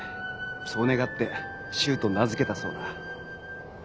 そう願って「柊」と名付けたそうだ。